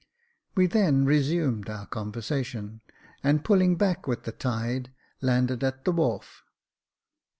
We then resumed our conversation, and pulling back with the tide, landed at the wharf.